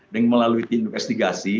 dengan melalui investigasi